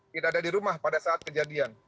tidak ada di rumah pada saat kejadian